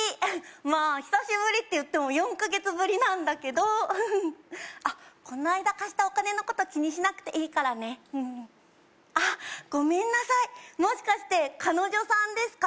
まあ久しぶりって言っても４カ月ぶりなんだけどあっこの間貸したお金のこと気にしなくていいからねあっごめんなさいもしかして彼女さんですか？